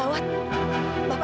kamu di mana